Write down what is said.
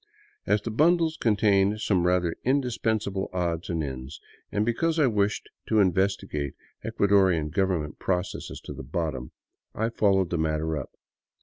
As the bundles contained some rather indispens able odds and ends, and because I wished to investigate Ecuadorian government processes to the bottom, I followed the matter up.